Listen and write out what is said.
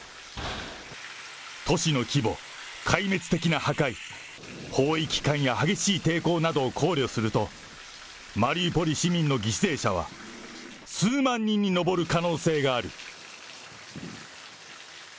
都市の規模、壊滅的な破壊、包囲期間や激しい抵抗などを考慮すると、マリウポリ市民の犠牲者は数万人に上る可能性がある。